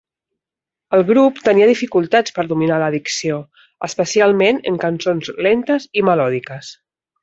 El grup tenia dificultats per dominar la dicció, especialment en cançons lentes i melòdiques.